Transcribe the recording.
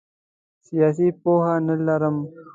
سیاسي پوهه نه لرم.